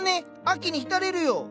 秋に浸れるよ。